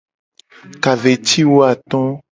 Ka ve ci wo ato.